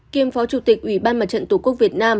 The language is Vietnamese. kiêm phó chủ tịch ủy ban mặt trận tổ quốc việt nam